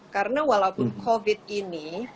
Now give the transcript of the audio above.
karena walaupun covid ini